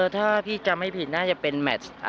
ถ้าพี่จำไม่ผิดน่าจะเป็นแมท